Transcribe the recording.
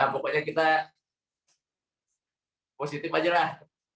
pokoknya kita positif aja lah